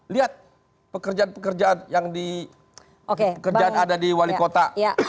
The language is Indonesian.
lihat pekerjaan pekerjaan yang ada di wali kota